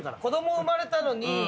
子供生まれたのに。